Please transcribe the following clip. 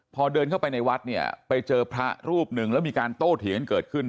พอเดินเข้าไปในวัดเนี่ยไปเจอพระรูปหนึ่งแล้วมีการโต้เถียงกันเกิดขึ้น